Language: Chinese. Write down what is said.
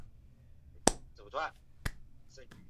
平版印刷是基于油和水互斥的原理的手动工艺。